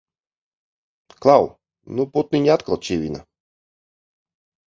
Klau! Nu putniņi atkal čivina!